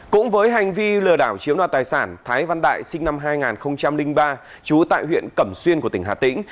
cũng với hành vi lừa đảo chiếm đoạt tài sản thái văn đại sinh năm hai nghìn ba trú tại huyện cẩm xuyên của tỉnh hà tĩnh